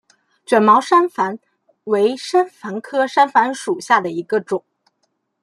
卷毛山矾为山矾科山矾属下的一个种。